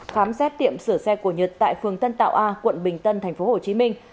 khám xét tiệm sửa xe của nhật tại phường tân tạo a quận bình tân thành phố hồ chí minh